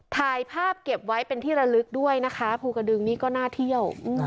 ถ่ายภาพเก็บไว้เป็นที่ระลึกด้วยนะคะภูกระดึงนี่ก็น่าเที่ยว